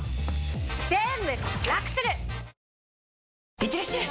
いってらっしゃい！